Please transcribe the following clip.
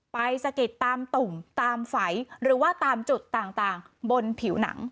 สะกิดตามตุ่มตามไฝหรือว่าตามจุดต่างบนผิวหนัง